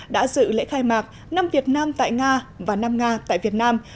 đã dự lễ khai mạc năm việt nam tại nga và năm nga tại việt nam